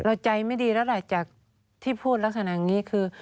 ใจไม่ดีแล้วล่ะจากที่พูดลักษณะอย่างนี้คือ